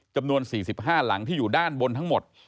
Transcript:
จำนวน๔๕หลังที่อยู่ด้านบนทั้งหมด